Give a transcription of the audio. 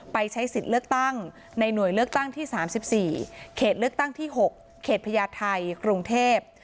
ไปใช้สิทธิ์เลือกตั้งในหน่วยเลือกตั้งที่๓๔เขตเลือกตั้งที่๖เขตพญาไทยกรุงเทพ